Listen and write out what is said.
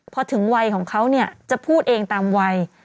พอถึงวัยของเขาเนี่ยจะพูดเองตามวัย